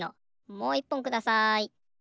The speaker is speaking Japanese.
もういっぽんください。